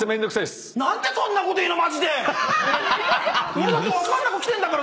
俺だって分かんなく来てんだからさ！